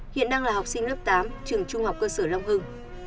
hiện đang là học sinh lớp tám trường trung học cơ sở long hưng